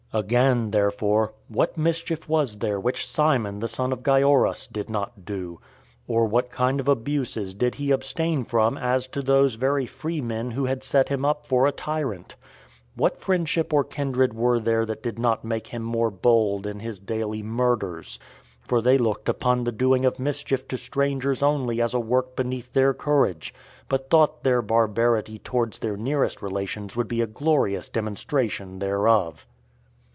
Again, therefore, what mischief was there which Simon the son of Gioras did not do? or what kind of abuses did he abstain from as to those very free men who had set him up for a tyrant? What friendship or kindred were there that did not make him more bold in his daily murders? for they looked upon the doing of mischief to strangers only as a work beneath their courage, but thought their barbarity towards their nearest relations would be a glorious demonstration thereof.